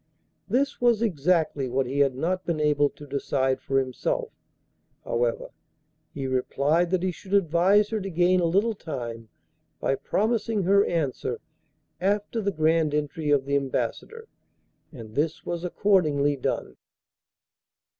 This was exactly what he had not been able to decide for himself; however, he replied that he should advise her to gain a little time by promising her answer after the grand entry of the Ambassador, and this was accordingly done.